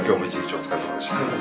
お疲れさまでした。